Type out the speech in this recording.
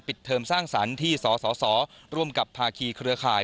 เทอมสร้างสรรค์ที่สสร่วมกับภาคีเครือข่าย